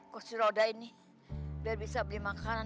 kursi roda ini biar bisa beli makanan